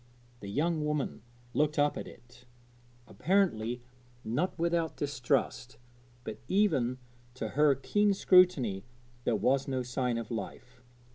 The young woman looked up at it, apparently not without distrust, but even to her keen scrutiny there was no sign of life.